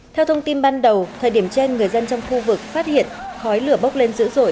theo thông tin ban đầu thời điểm trên người dân trong khu vực phát hiện khói lửa bốc lên dữ dội